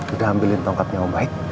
udah ambilin tongkatnya mau baik